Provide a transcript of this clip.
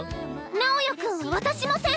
直也君は渡しません！